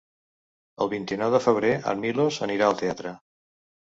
El vint-i-nou de febrer en Milos anirà al teatre.